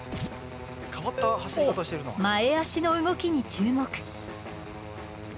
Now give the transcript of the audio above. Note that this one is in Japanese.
前足の動きに注目。